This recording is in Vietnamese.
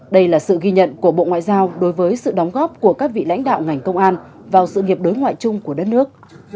đây là sự ghi nhận của bộ ngoại giao đối với sự đóng góp của các vị lãnh đạo ngành công an vào sự nghiệp đối ngoại chung của đất nước